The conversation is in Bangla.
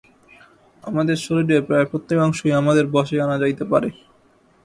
আমাদের শরীরের প্রায় প্রত্যেক অংশই আমাদের বশে আনা যাইতে পারে।